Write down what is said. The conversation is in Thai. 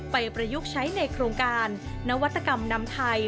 ประยุกต์ใช้ในโครงการนวัตกรรมนำไทย